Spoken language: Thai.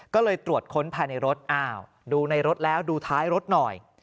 ก็เลยตรวจค้นภายในรถอ้าวดูในรถแล้วดูท้ายรถหน่อย